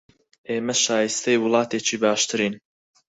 ئێمە شایستەی وڵاتێکی باشترین